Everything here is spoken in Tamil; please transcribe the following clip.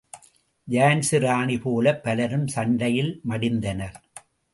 ஜான்ஸி ராணி போலப் பலரும் சண்டை யில்ம டிந்தனர்.